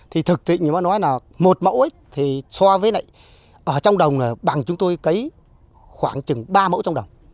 thì thực tịnh nó nói là một mẫu ấy thì so với lại ở trong đồng là bằng chúng tôi cấy khoảng chừng ba mẫu trong đồng